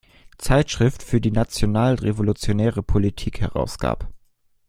Zeitschrift für nationalrevolutionäre Politik" herausgab.